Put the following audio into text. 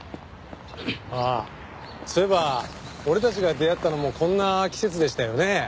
ああそういえば俺たちが出会ったのもこんな季節でしたよね。